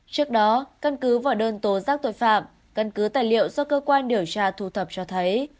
trước đó căn cứ vào đơn tố giác tội phạm căn cứ tài liệu do cơ quan điều tra thu thập cho thấy